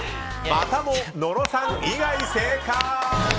またも野呂さん以外、正解！